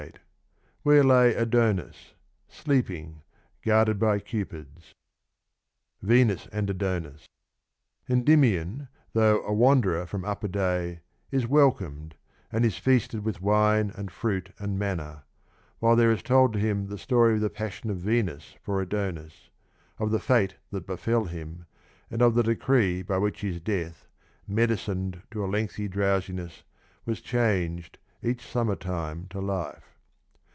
388) where lay Adonis, sleeping, guarded by Cupids. Endy mion, though " a wanderer from upper day " is welcomed, and is feasted with wine and fruit and manna, while there is told to him the story of the passion of Venus for Adonis, of the fate that befel him, and of the decree by which his death, " medicined to a lengthened drowsi ness " was changed " each summer time to life."